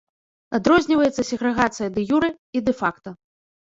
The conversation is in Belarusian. Адрозніваецца сегрэгацыя дэ-юрэ і дэ-факта.